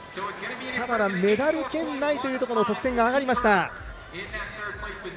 ただメダル圏内というところの得点が上がりました。